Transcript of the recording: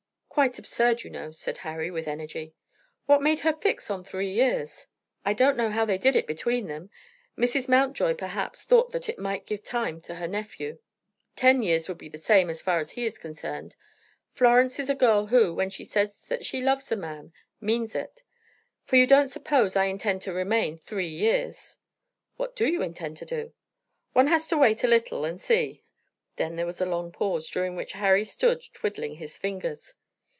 "Quite absurd, you know," said Harry, with energy. "What made her fix on three years?" "I don't know how they did it between them. Mrs. Mountjoy, perhaps, thought that it might give time to her nephew. Ten years would be the same as far as he is concerned. Florence is a girl who, when she says that she loves a man, means it. For you don't suppose I intend to remain three years?" "What do you intend to do?" "One has to wait a little and see." Then there was a long pause, during which Harry stood twiddling his fingers.